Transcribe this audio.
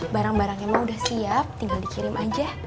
barang barangnya mah udah siap tinggal dikirim aja